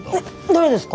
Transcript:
誰ですか？